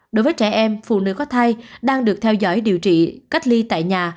đối với trẻ em phụ nữ có thai đang được theo dõi điều trị cách ly tại nhà